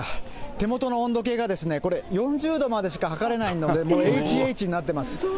手元の温度計がこれ、４０度までしか測れないので、もうＨＨになっています。